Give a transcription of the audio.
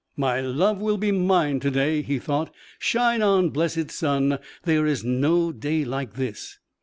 "My love will be mine to day!" he thought. "Shine on, blessed sun! there is no day like this!"